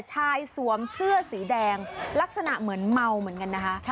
สวมเสื้อสีแดงลักษณะเหมือนเมาเหมือนกันนะคะ